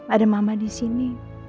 ada mama disini